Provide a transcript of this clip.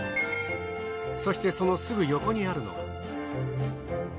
そしてそのすぐ横にあるのが。